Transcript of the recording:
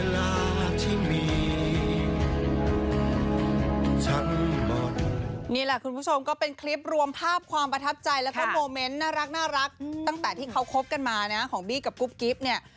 นี่แหละคุณผู้ชมก็เป็นคลิปรวมภาพความประทับใจแล้วก็โมเมนต์น่ารักตั้งแต่ที่เขาคบกันมานะของบี้กับกุ๊บกิ๊บเนี่ย